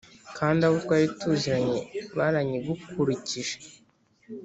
kandi abo twari tuziranye baranyigurukije